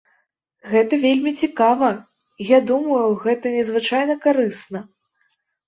Гэта вельмі цікава, я думаю, гэта надзвычай карысна.